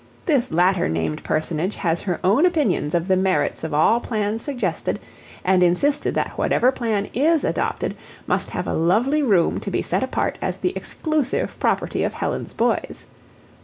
This latter named personage has her own opinions of the merits of all plans suggested, and insisted that whatever plan IS adopted MUST have a lovely room to be set apart as the exclusive property of Helen's boys.